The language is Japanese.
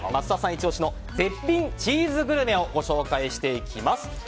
イチ押しの絶品チーズグルメをご紹介していきます。